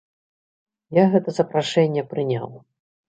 Я гэта запрашэнне прыняў.